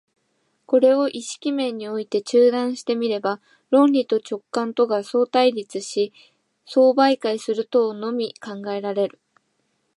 これを意識面において中断して見れば、論理と直覚とが相対立し相媒介するとのみ考えられる。